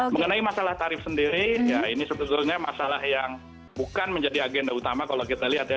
mengenai masalah tarif sendiri ya ini sebetulnya masalah yang bukan menjadi agenda utama kalau kita lihat ya